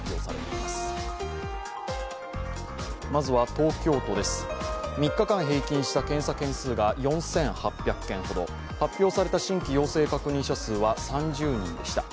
まずは東京都です、３日間平均した検査件数が４８００件ほど発表された新規陽性確認者数は３０人でした。